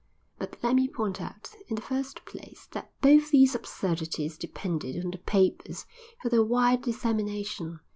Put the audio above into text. But let me point out, in the first place, that both these absurdities depended on the papers for their wide dissemination.